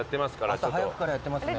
朝早くからやってますね。